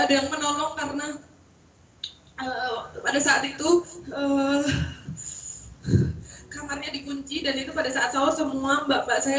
ada yang menolong karena pada saat itu kamarnya dikunci dan itu pada saat cowok semua mbak mbak saya